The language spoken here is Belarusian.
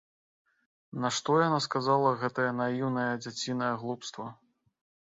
Нашто яна сказала гэтае наіўнае дзяцінае глупства?